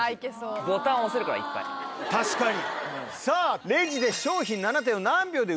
確かに。